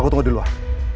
aku tunggu di luar